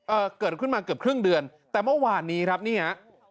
เอ่อเกิดขึ้นมาเกือบครึ่งเดือนแต่เมื่อวานนี้ครับนี่ฮะ